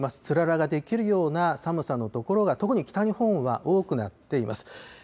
つららが出来るような寒さの所が、特に北日本は多くなっています。